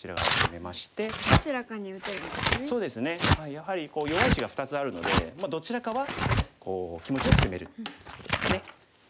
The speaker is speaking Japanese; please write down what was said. やはり弱い石が２つあるのでどちらかは気持ちよく攻めれるっていうことですかね。